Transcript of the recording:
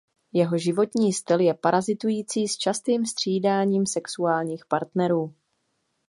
Jeho životní styl je parazitující s častým střídáním sexuálních partnerů.